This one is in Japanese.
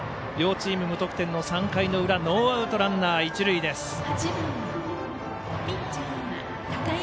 両チーム無得点の３回の裏ノーアウトランナー、一塁です。